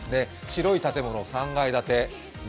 白い建物、３階建て。